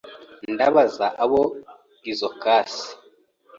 Ndabaza abo izo kasi.